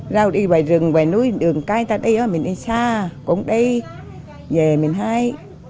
rau đi về rừng về núi đường cái ta đi mình đi xa cũng đi về mình hái